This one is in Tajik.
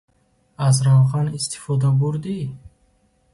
Аз равған истифода бурдӣ?